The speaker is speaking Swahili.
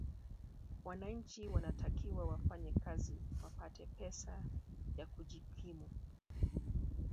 wananchi wanatakiwa wafanye kazi wapate pesa ya kujikimu